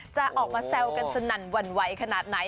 จะออกมาแซวกันสนั่นหวั่นไหวขนาดไหน